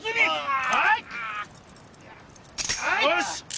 よし！